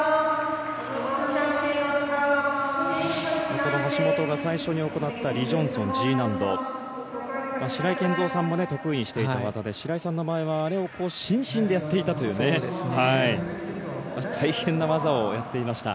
この橋本が最初に行ったリ・ジョンソン、Ｇ難度白井健三さんも得意にしている技で白井さんの場合はあれを伸身でやっていたという大変な技をやっていました。